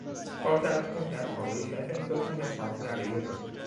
高山通泉草为玄参科通泉草属下的一个种。